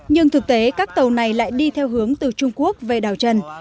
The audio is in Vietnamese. nhưng thực tế các tàu này lại đi theo hướng từ trung quốc về đào trần